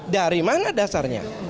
dari mana dasarnya